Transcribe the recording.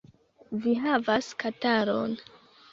Vi havas kataron.